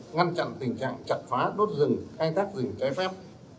ngăn chặn tình trạng chặt phá đốt rừng khai thác rừng trái phép